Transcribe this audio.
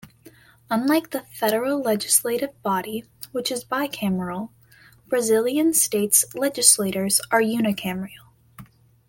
Unlike the federal legislative body, which is bicameral, Brazilian states legislatures are unicameral.